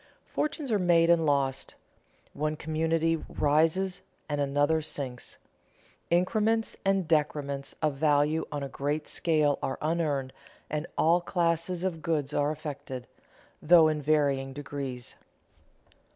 Fortunes are made and lost. One community rises and another sinks. Increments and decrements of value on a great scale are unearned, and all classes of goods are affected, though in varying degrees.